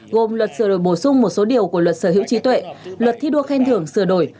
gồm luật sửa đổi bổ sung một số điều của luật sở hữu trí tuệ luật thi đua khen thưởng sửa đổi